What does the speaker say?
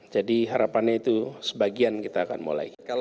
jadi harapannya itu sebagian kita akan mulai